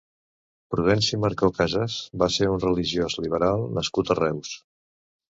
Prudenci Marcó Casas va ser un religiós liberal nascut a Reus.